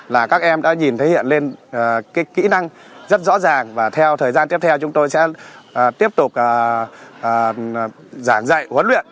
là các em đã nhìn thấy hiện lên kỹ năng rất rõ ràng và theo thời gian tiếp theo chúng tôi sẽ tiếp tục giảng dạy huấn luyện